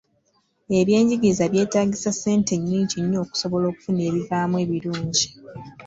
Ebyenjigiriza byetaagisa ssente nnyingi nnyo okusobola okufuna ebivaamu ebirungi.